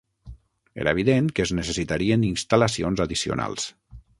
Era evident que es necessitarien instal·lacions addicionals.